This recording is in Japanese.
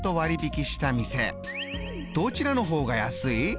どちらの方が安い？